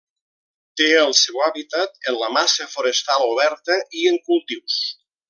Té el seu hàbitat en la massa forestal oberta i en cultius.